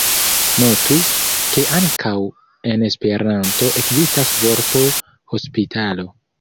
Notu, ke ankaŭ en Esperanto ekzistas vorto hospitalo.